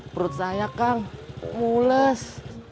perut saya kang mules